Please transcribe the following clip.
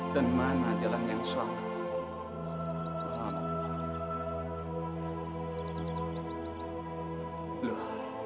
dan mana jalan yang salah